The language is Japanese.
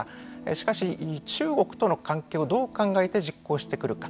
しかし、中国との関係をどう考えて実行してくるか。